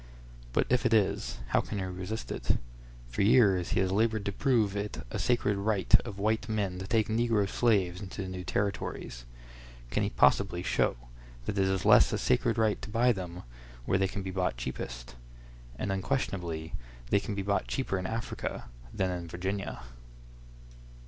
But if it is, how can he resist it? For years he has labored to prove it a sacred right of white men to take negro slaves into the new Territories. Can he possibly show that it is less a sacred right to buy them where they can be bought cheapest? And unquestionably they can be bought cheaper in Africa than in Virginia.